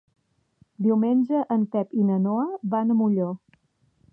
Diumenge en Pep i na Noa van a Molló.